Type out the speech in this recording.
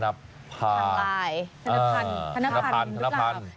ธนภาพธนาพันธุ์คุณเราค่ะ